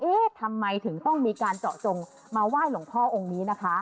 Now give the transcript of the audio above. ทำไมถึงต้องมีการเจาะจงมาไหว้หลวงพ่อองค์นี้นะคะ